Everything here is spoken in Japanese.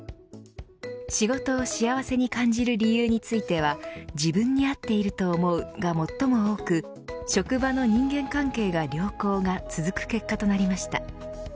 仕事を幸せに感じる理由については自分に合っていると思うが最も多く職場の人間関係が良好が続く結果となりました。